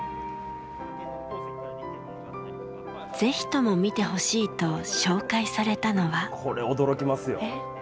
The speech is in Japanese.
ぜひとも見てほしいと紹介さこれ、驚きますよ。